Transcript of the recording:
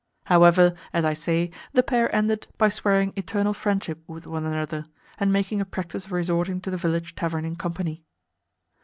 However, as I say, the pair ended by swearing eternal friendship with one another, and making a practice of resorting to the village tavern in company.